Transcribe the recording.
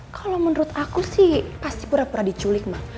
kalau menurut aku sih pasti pura pura diculik mbak